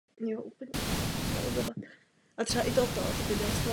Vysokoškolské vzdělání získal na Massachusettském technologickém institutu.